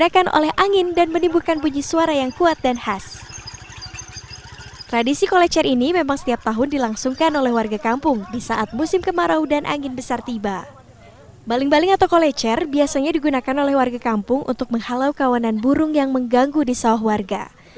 baling baling atau kolecer biasanya digunakan oleh warga kampung untuk menghalau kawanan burung yang mengganggu di sawah warga